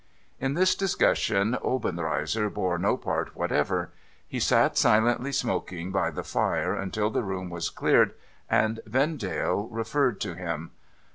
In this discussion, Obcnreizer bore no part whatever. He sat silently smoking by the fire until the room was cleared and Vendale referred to him.